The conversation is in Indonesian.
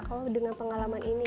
kalau dengan pengalaman ini